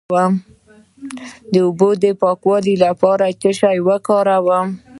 د اوبو د پاکوالي لپاره باید څه شی وکاروم؟